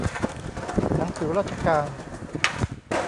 หนังสือราชการ